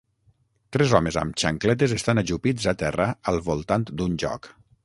Tres homes amb xancletes estan ajupits a terra al voltant d'un joc.